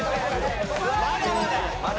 まだまだ。